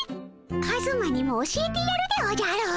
カズマにも教えてやるでおじゃる。